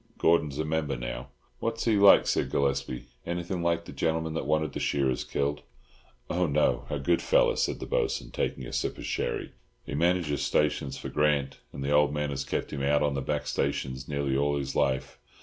Gordon's a member now." "What's he like?" said Gillespie. "Anything like the gentleman that wanted the shearers killed?" "Oh, no; a good fellow," said the Bo'sun, taking a sip of sherry. "He manages stations for Grant, and the old man has kept him out on the back stations nearly all his life.